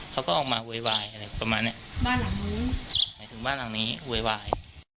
เขาก็ออกมาโวยวายอะไรประมาณเนี้ยบ้านหลังนี้หมายถึงบ้านหลังนี้โวยวาย